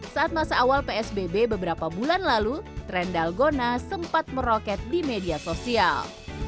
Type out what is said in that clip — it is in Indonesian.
saat masa awal psbb beberapa bulan lalu tren dalgona sempat meroket di media sosial